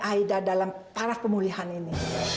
aida dalam para pemulihan ini